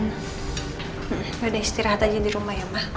udah deh istirahat aja di rumah ya ma